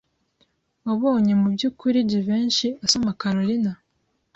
Wabonye mubyukuri Jivency asoma Kalorina?